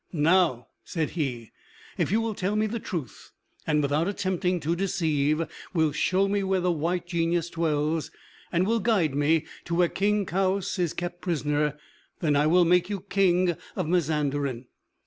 "Now," said he, "if you will tell me the truth, and, without attempting to deceive, will show me where the White Genius dwells, and will guide me to where King Kaoüs is kept prisoner, then I will make you king of Mazanderan.